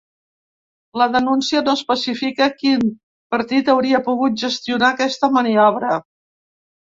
La denúncia no especifica quin partit hauria pogut gestionar aquesta maniobra.